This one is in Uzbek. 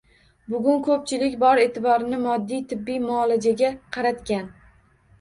Bugun ko‘pchilik bor e’tiborini moddiy-tibbiy muolajalarga qaratgan.